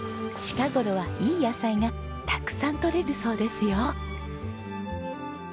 近頃はいい野菜がたくさん取れるそうですよ。